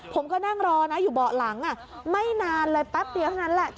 ผมก็นั่งรอนะอยู่เบาะหลังไม่นานเลยแป๊บเดียวเท่านั้นแหละ